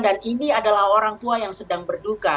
dan ini adalah orang tua yang sedang berduka